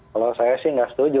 kalau saya sih nggak setuju